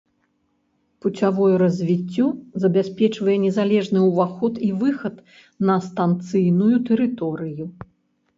Пуцявое развіццё забяспечвае незалежны ўваход і выхад на станцыйную тэрыторыю.